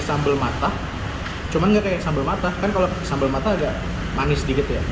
sambel matah cuman gak kayak sambel matah kan kalau sambel matah agak manis sedikit ya